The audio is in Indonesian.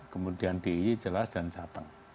kemudian di i jelas dan jateng